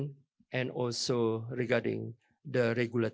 dan juga mengenai regulasi